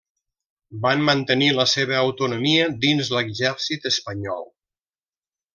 Van mantenir la seva autonomia dins l'exèrcit espanyol.